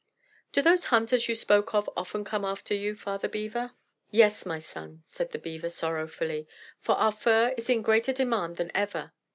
"Do those hunters you spoke of often come after you, Father Beaver?" "Yes, my son," said the Beaver sorrowfully, "for our fur is in greater demand than ever.